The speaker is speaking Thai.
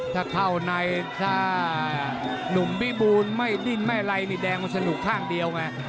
ถ้าเข้าในถ้าหนุ่มวิบูลไม่ดิ้นไม่อะไรนี่แดงมันสนุกข้างเดียวไง